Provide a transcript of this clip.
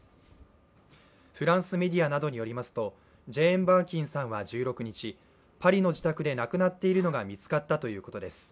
フランスメディアなどによりますと、ジェーン・バーキンさんは１６日、パリの自宅で亡くなっているのが見つかったということです。